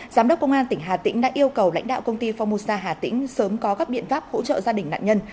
giám đốc công an tỉnh hà tĩnh đã yêu cầu lãnh đạo công ty phongmosa hà tĩnh sớm có các biện pháp hỗ trợ gia đình nạn nhân